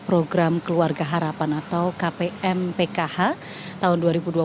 program keluarga harapan atau kpm pkh tahun dua ribu dua puluh dua ribu dua puluh satu